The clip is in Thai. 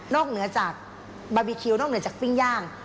เหนือจากบาร์บีคิวนอกเหนือจากปิ้งย่าง